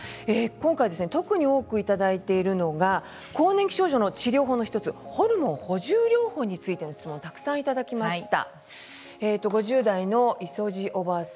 今回特に多くいただいているのが更年期症状の治療法の１つホルモン補充療法についての質問もたくさんいただきました。